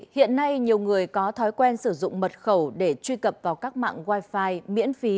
hiện nay nhiều người có thói quen sử dụng mật khẩu để truy cập vào các mạng wifi miễn phí